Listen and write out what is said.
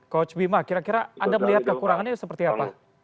coach bima kira kira anda melihat kekurangannya seperti apa